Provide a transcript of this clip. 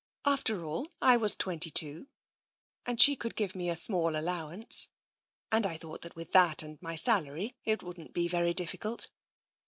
After all, I was twenty two — and she could give me a small allowance, and I thought that with that and my salary it wouldn't be very difficult."